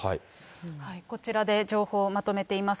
こちらで情報をまとめています。